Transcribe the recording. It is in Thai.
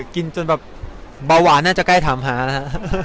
จนแบบเบาหวานน่าจะใกล้ถามหานะฮะ